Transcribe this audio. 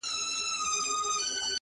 • هم په زور كي موږكان نه وه زمري وه,